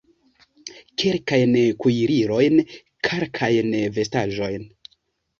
Kelkajn kuirilojn, kalkajn vestaĵojn.